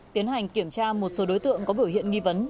tiến hành kiểm tra một số đối tượng có biểu hiện nghi vấn